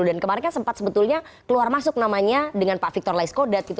dan kemarin sempat sebetulnya keluar masuk namanya dengan pak victor laiskodat gitu